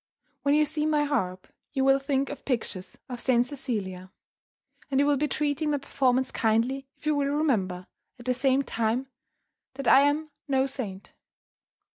When you see my harp, you will think of pictures of St. Cecilia and you will be treating my performance kindly if you will remember, at the same time, that I am no saint!"